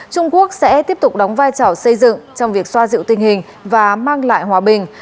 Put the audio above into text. trung quốc sẽ tiếp tục đóng vai trò xây dựng trong việc xoa dịu tình hình và mang lại hòa bình